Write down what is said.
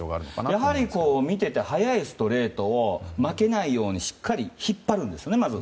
やはり見ていて速いストレート負けないようにしっかり引っ張るんですね、まず。